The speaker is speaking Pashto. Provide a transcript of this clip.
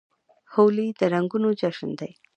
هولي د رنګونو جشن دی.